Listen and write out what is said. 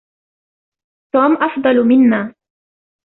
توم أفضل منا.